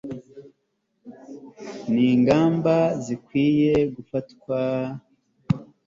n'ingamba zikwiye gufatwa